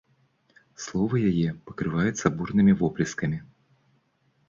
Словы яе пакрываюцца бурнымі воплескамі.